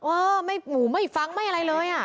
เออไม่ฟังไม่อะไรเลยอ่ะ